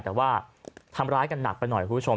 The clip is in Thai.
แต่ว่าทำร้ายกันหนักไปหน่อยคุณผู้ชม